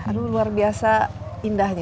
aduh luar biasa indahnya